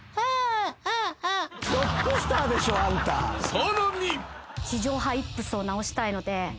［さらに］